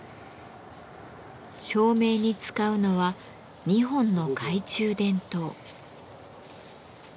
照明に使うのは２本の懐中電灯。